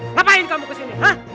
ngapain kamu kesini